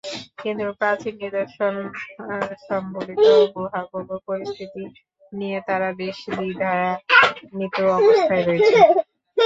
কিন্তু প্রাচীন নিদর্শনসংবলিত গুহাগুলোর পরিস্থিতি নিয়ে তারা বেশ দ্বিধান্বিত অবস্থায় রয়েছে।